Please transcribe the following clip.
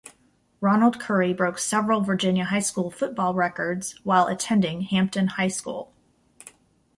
Ronald Curry broke several Virginia high school football records while attending Hampton High School.